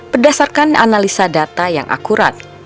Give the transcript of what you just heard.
berdasarkan analisa data yang akurat